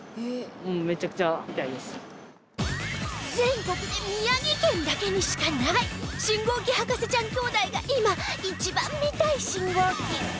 全国で宮城県だけにしかない信号機博士ちゃん兄弟が今一番見たい信号機